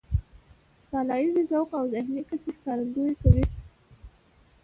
ښکلاييز ذوق او ذهني کچې ښکارندويي کوي .